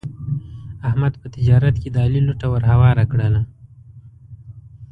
احمد په تجارت کې د علي لوټه ور هواره کړله.